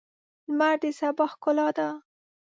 لمر د سبا ښکلا ده.